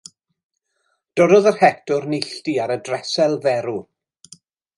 Dododd yr het o'r neilltu ar y dresel dderw.